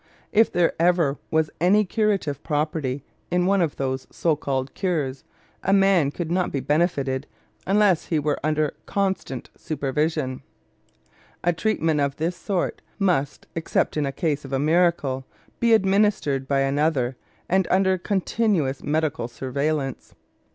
If there ever was any curative property in one of these so called cures, a man could not be benefited unless he were under constant supervision. A treatment of this sort must, except in case of a miracle, be administered by another and under continuous medical surveillance.